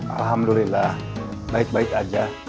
alhamdulillah baik baik aja